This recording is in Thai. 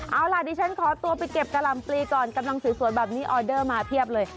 เอาล่ะดิฉันขอตัวไปเก็บกะหล่ำปลีก่อนกำลังสวยแบบนี้ออเดอร์มาเพียบเลย